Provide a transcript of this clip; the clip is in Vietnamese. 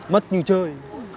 mất như chơi